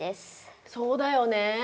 そうだよね。